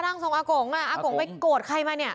ทรงอากงอ่ะอากงไปโกรธใครมาเนี่ย